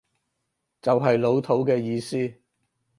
就係老土嘅意思